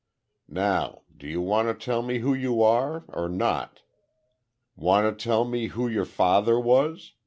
Now, do you want to tell me who you are—or not? Want to tell me who your father was?